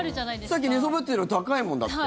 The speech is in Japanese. さっき寝そべってるより高いもん、だって。